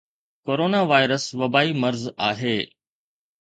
corona virus وبائي مرض آھي